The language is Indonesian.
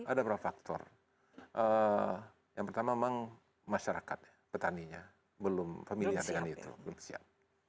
ada beberapa faktor yang pertama memang masyarakat ya petaninya belum familiar dengan itu belum siap